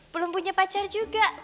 belum punya pacar juga